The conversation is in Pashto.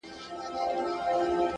د فکر نظم د پرېکړې کیفیت لوړوي’